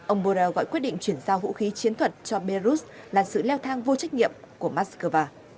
ông borrell gọi quyết định chuyển giao vũ khí chiến thuật cho belarus là sự leo thang vô trách nhiệm của moscow